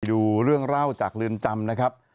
ดูเรื่องเล่าจากเรือนจำนะครับ